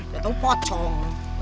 gak tahu pocong